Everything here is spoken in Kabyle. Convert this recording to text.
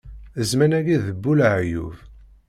Zzman-agi d bu leɛyub